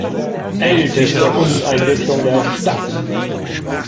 Älteste Uni-Einrichtung der Stadt.